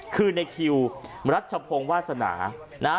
คือในคิวรัชพงศ์วาสนานะฮะ